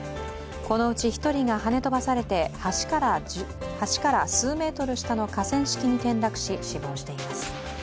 このうち１人がはね飛ばされて橋から数メートル下の河川敷に転落し死亡しています。